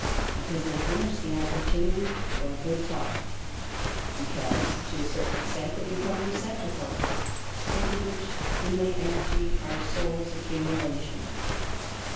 Because they furnish the opportunity for a good talk, because to a certain extent they become receptacles into which we may empty our soul's accumulations.